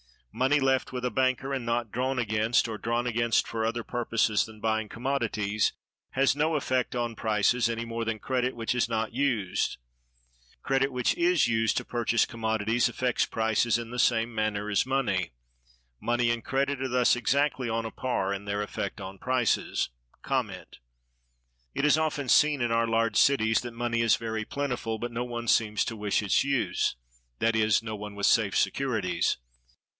Money left with a banker, and not drawn against, or drawn against for other purposes than buying commodities, has no effect on prices, any more than credit which is not used. Credit which is used to purchase commodities affects prices in the same manner as money. Money and credit are thus exactly on a par in their effect on prices. It is often seen, in our large cities, that money is very plentiful, but no one seems to wish its use (that is, no one with safe securities).